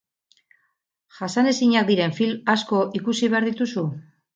Jasanezinak diren film asko ikusi behar dituzu?